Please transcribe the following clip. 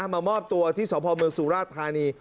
มามอบตัวที่สพเมืองสุราชธานี